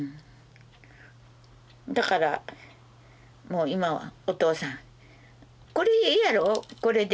だからもう今は「おとうさんこれでええやろこれで」